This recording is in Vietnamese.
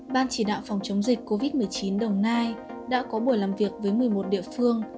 ban chỉ đạo phòng chống dịch covid một mươi chín đồng nai đã có buổi làm việc với một mươi một địa phương